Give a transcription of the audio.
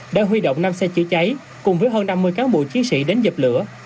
đã huy động năm xe chữa cháy cùng với hơn năm mươi cán bộ chiến sĩ đến dập lửa